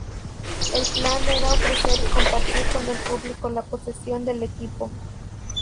El plan era ofrecer y compartir con el público la posesión del equipo.